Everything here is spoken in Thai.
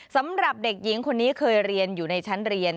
สำหรับเด็กหญิงคนนี้เคยเรียนอยู่ในชั้นเรียน